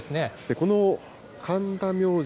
この神田明神。